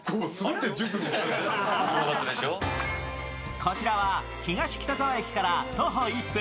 こちらは東北沢駅から徒歩１分。